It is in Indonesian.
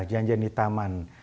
janjian di taman